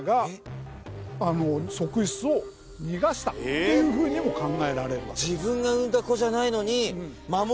っていうふうにも考えられるわけです。